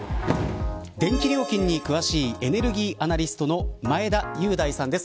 電気料金に詳しいエネルギーアナリストの前田雄大さんです。